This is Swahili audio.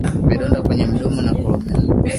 Vidonda kwenye mdomo na koromeo